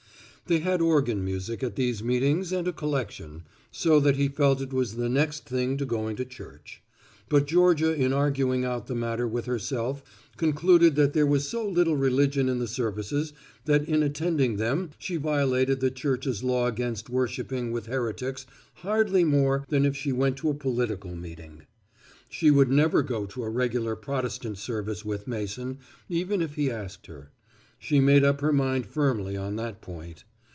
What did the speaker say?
They had organ music at these meetings and a collection, so that he felt it was the next thing to going to church. But Georgia in arguing out the matter with herself concluded that there was so little religion in the services that in attending them she violated the Church's law against worshiping with heretics hardly more than if she went to a political meeting. She would never go to a regular Protestant service with Mason, even if he asked her. She made up her mind firmly on that point.